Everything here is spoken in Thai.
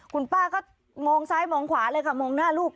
คุณป้าก็มองซ้ายมองขวาเลยค่ะมองหน้าลูก